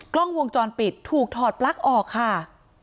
กล้องวงจรปิดถูกถอดปลั๊กออกค่ะ